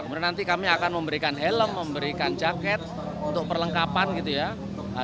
kemudian nanti kami akan memberikan helm memberikan jaket untuk perlengkapan gitu ya